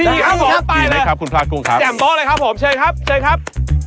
ดีครับผมไปเลยครับแจ่มโบ๊คเลยครับผมเชิญครับเชิญครับ